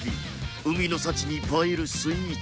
海の幸に映えるスイーツ